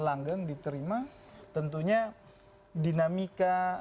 langgang diterima tentunya dinamika